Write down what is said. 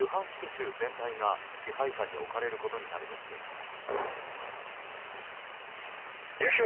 州全体が支配下に置かれることになるとみています。